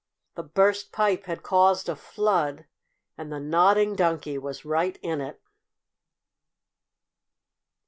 The burst pipe had caused a flood, and the Nodding Donkey was right in it!